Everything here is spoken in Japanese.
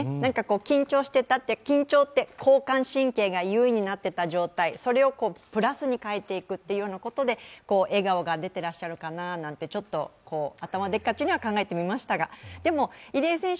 緊張してたと、緊張って交感神経が優位になっていた状態それをプラスに変えていくというようなことで笑顔が出ていらっしゃるかなってちょっと頭でっかちには考えてみましたがでも、入江選手